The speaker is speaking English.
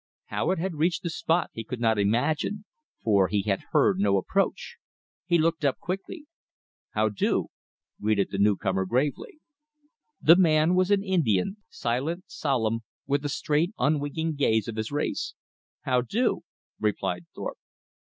How it had reached the spot he could not imagine, for he had heard no approach. He looked up quickly. "How do," greeted the newcomer gravely. The man was an Indian, silent, solemn, with the straight, unwinking gaze of his race. "How do," replied Thorpe.